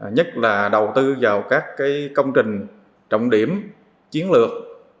nhất là đầu tư vào các công trình trọng điểm chiến lược